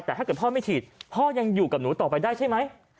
แต่ถ้าเกิดพ่อไม่ฉีดพ่อยังอยู่กับหนูต่อไปได้ใช่ไหม